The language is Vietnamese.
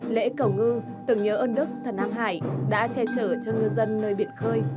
lễ cầu ngư từng nhớ ơn đức thần an hải đã che trở cho ngư dân nơi biển khơi